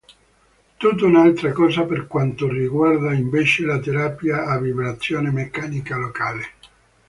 Tutto un'altra cosa per quanto riguarda invece la Terapia a Vibrazione Meccanica Locale.